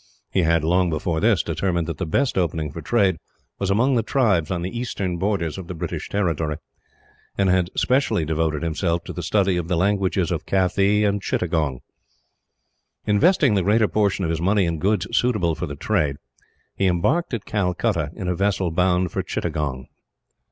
He had, long before this, determined that the best opening for trade was among the tribes on the eastern borders of the British territory; and had specially devoted himself to the study of the languages of Kathee and Chittagong. Investing the greater portion of his money in goods suitable for the trade, he embarked at Calcutta in a vessel bound for Chittagong.